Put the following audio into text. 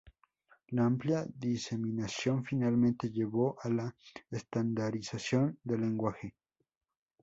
La amplia diseminación finalmente llevó a la estandarización del lenguaje.